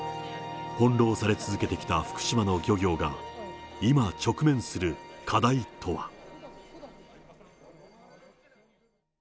翻弄され続けてきた福島の漁業が、今、直面する課題とは。